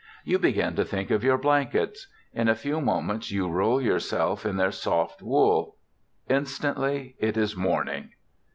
You begin to think of your blankets. In a few moments you roll yourself in their soft wool. Instantly it is morning.